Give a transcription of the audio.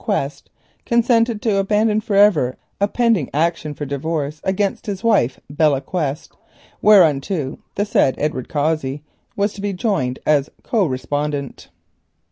Quest, consented to abandon for ever a pending action for divorce against his wife, Belle Quest, whereto the said Edward Cossey was to be joined as co respondent.